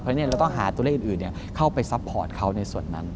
เพราะฉะนั้นเราต้องหาตัวเลขอื่นเข้าไปซัพพอร์ตเขาในส่วนนั้น